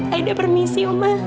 aida permisi oma